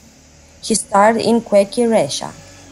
He starred in "Kueki Ressha".